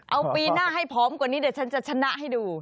เอาปีหน้าให้พร้อมกว่านี้เดี๋ยวฉันจะชนะให้ดู